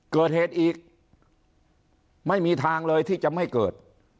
เกิดเหตุอีกไม่มีทางเลยที่จะไม่เกิด